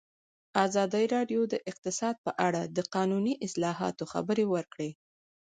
ازادي راډیو د اقتصاد په اړه د قانوني اصلاحاتو خبر ورکړی.